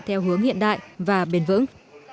theo hướng hiện đại và bền vững